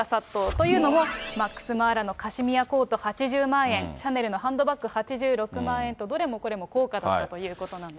というのも、マックスマーラのカシミアコート、８０万円、シャネルのハンドバッグ８６万円と、どれもこれも高価だったということなんです。